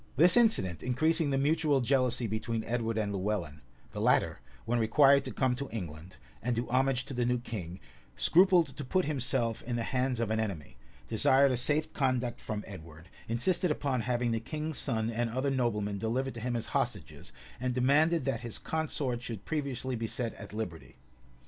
248 This incident increasing the mutual jealousy between Edward and Lewellyn, the latter, when required to come to England, and do homage to the new king, scrupled to put himself in the hands of an enemy, desired a safe conduct from Edward, insisted upon having the king's son and other noblemen delivered to him as hostages, and demanded that his consort should previously be set at liberty.